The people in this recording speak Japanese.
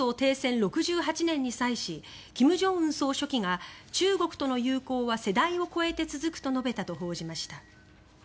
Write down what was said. ６８年に際し金正恩総書記が中国との友好は世代を超えて続くと述べたと報じました。